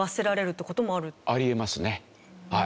あり得ますねはい。